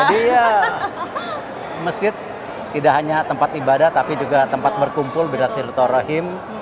jadi ya masjid tidak hanya tempat ibadah tapi juga tempat berkumpul berhasil torahim